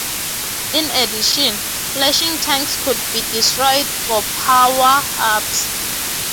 In addition, flashing tanks could be destroyed for power-ups.